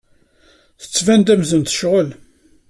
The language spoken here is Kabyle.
Tettban-d amzun tecɣel.